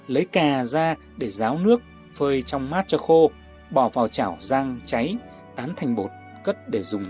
lấy cà ra để ráo nước phơi trong mát cho khô bỏ vào chảo răng cháy tán thành bột cất để dùng